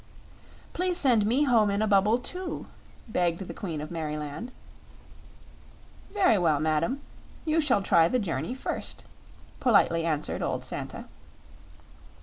"Please send me home in a bubble, too!" begged the Queen of Merryland. "Very well, madam; you shall try the journey first," politely answered old Santa.